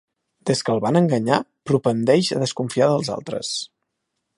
Des que el van enganyar propendeix a desconfiar dels altres.